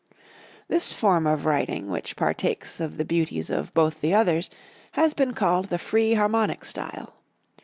This form of writing which partakes of the beauties of both the others has been called the free harmonic style.